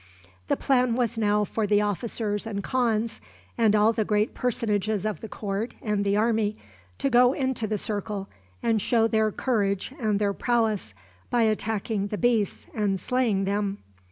The plan was now for the officers and khans, and all the great personages of the court and the army, to go into the circle, and show their courage and their prowess by attacking the beasts and slaying them.